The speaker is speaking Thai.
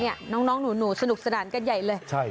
น้องหนูสนุกสนานกันใหญ่เลย